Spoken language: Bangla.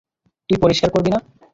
তুই পরিষ্কার করবি না?